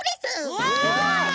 うわ！